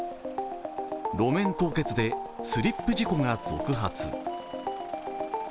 路面凍結でスリップ事故が続発。